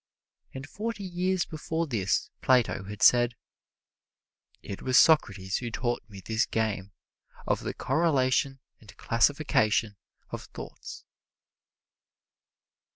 And forty years before this Plato had said, "It was Socrates who taught me this game of the correlation and classification of thoughts."